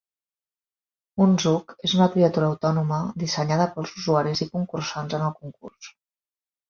Un Zook és una criatura autònoma dissenyada pels usuaris i concursants en el concurs.